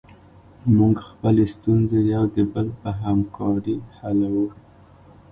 موږ خپلې ستونزې یو د بل په همکاري حلوو.